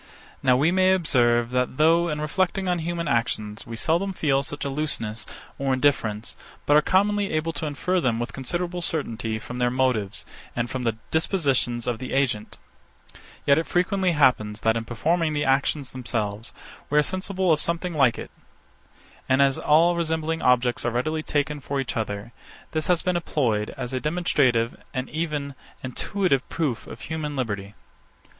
Now we may observe, that, though, in reflecting on human actions, we seldom feel such a looseness, or indifference, but are commonly able to infer them with considerable certainty from their motives, and from the dispositions of the agent; yet it frequently happens, that, in performing the actions themselves, we are sensible of something like it: And as all resembling objects are readily taken for each other, this has been employed as a demonstrative and even intuitive proof of human liberty.